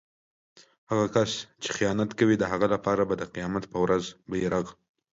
هغه کس چې خیانت کوي د هغه لپاره به د قيامت په ورځ بیرغ